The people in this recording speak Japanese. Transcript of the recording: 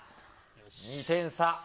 ２点差。